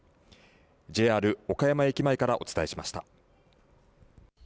ＪＲ岡山駅前からお伝えしました。